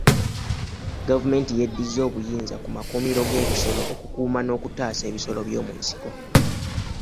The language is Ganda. Gavumenti yeddiza obuyinza ku makuumiro g'ebisolo okukuuma n'okutaasa ebisolo by'omu nsiko.